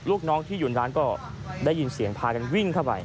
ลูกน้องที่อยู่ในร้านก็ได้ยินเสียงพากันวิ่งเข้าไป